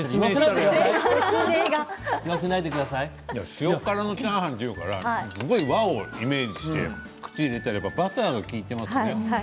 塩辛のチャーハンっていうからすごい和風をイメージして口に入れたらバターが利いていますね。